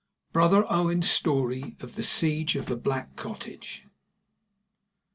BROTHER OWEN'S STORY OF THE SIEGE OF THE BLACK COTTAGE.